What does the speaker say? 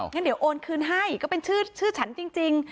งั้นเดี๋ยวโอนคืนให้ก็เป็นชื่อฉันจริง